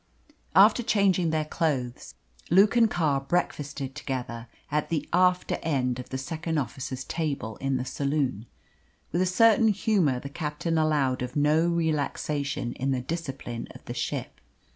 After changing their clothes, Luke and Carr breakfasted together at the after end of the second officer's table in the saloon. With a certain humour the captain allowed of no relaxation in the discipline of the ship.